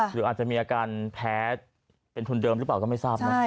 หรืออาจจะมีอาการแพ้เป็นทุนเดิมหรือเปล่าก็ไม่ทราบนะ